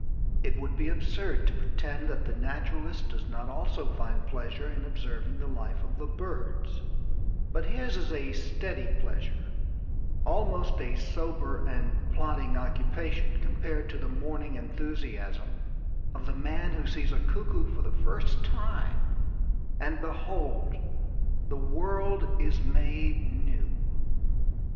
It would be absurd to pretend that the naturalist does not also find pleasure in observing the life of the birds, but his is a steady pleasure, almost a sober and plodding occupation, compared to the morning enthusiasm of the man who sees a cuckoo for the first time, and, behold, the world is made new.